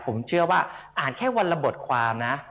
ผมเชื่อว่าอ่านแค่วันละบทความนะ